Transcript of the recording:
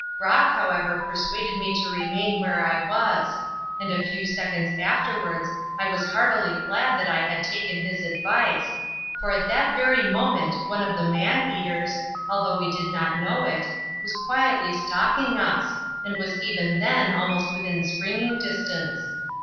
Brock, however, persuaded me to remain where I was; and a few seconds afterwards I was heartily glad that I had taken his advice, for at that very moment one of the man eaters although we did not know it was quietly stalking us, and was even then almost within springing distance.